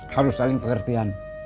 harus saling pengertian